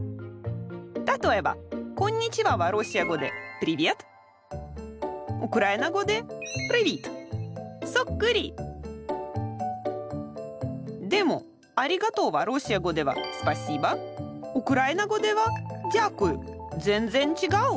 例えば「こんにちは」はロシア語で「プリヴェット」ウクライナ語で「プリヴィット」そっくり！でも「ありがとう」はロシア語では「スパシーバ」ウクライナ語では「ジャークユ」全然違う。